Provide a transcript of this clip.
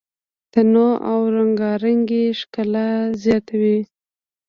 تنوع او رنګارنګي ښکلا زیاتوي.